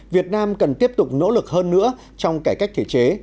việt nam cần tiếp tục nỗ lực hơn nữa trong cải cách thể chế